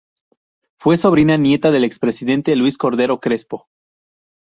Fue sobrina nieta del expresidente Luis Cordero Crespo.